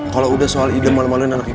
kalo udah soal ide malu maluin anak ips